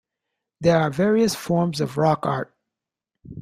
There are various forms of rock art.